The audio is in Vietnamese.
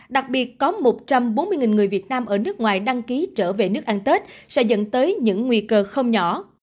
đặc biệt có một trăm bốn mươi người việt nam ở nước ngoài đăng ký trở về nước ăn tết sẽ dẫn tới những nguy cơ không nhỏ